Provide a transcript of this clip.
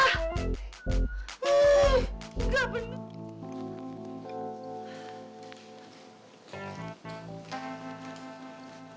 ih gak bener